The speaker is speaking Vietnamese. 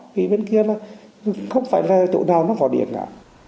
vì bên kia là không phải là chỗ nào nó có điện cả